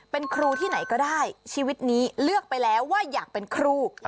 เป็นครูที่ไหนก็ได้ชีวิตนี้เลือกไปแล้วว่าอยากเป็นครู